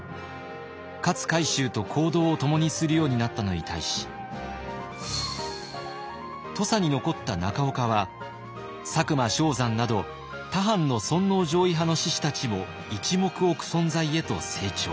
勝海舟と行動を共にするようになったのに対し土佐に残った中岡は佐久間象山など他藩の尊皇攘夷派の志士たちも一目置く存在へと成長。